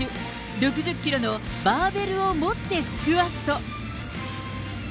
６０キロのバーベルを持ってスクワット。